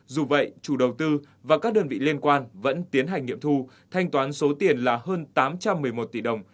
dù vậy chủ đầu tư và các đơn vị liên quan vẫn tiến hành nghiệm thu thanh toán số tiền là hơn tám trăm một mươi một tỷ đồng